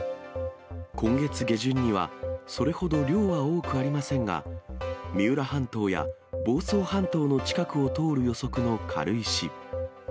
今月下旬には、それほど量は多くありませんが、三浦半島や房総半島の近くを通る予測の軽石。